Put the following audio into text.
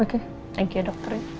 oke terima kasih dokter